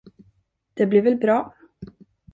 Det blir väl bra?